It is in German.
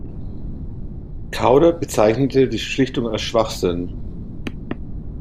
Kauder bezeichnete die Schlichtung als „Schwachsinn“.